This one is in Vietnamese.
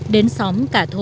đến xóm cả thôn